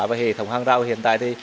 và hệ thống hàng rào hiện tại thì